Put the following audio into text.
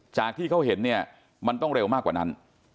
จากที่เขาเห็นเนี่ยมันต้องเร็วมากกว่านั้น